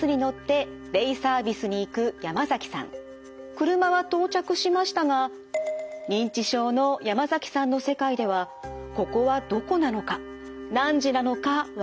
車は到着しましたが認知症の山崎さんの世界ではここはどこなのか何時なのかわからなくなっていました。